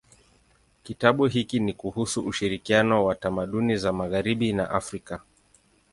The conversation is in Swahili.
Kitabu hiki ni kuhusu ushirikiano wa tamaduni za magharibi na Afrika.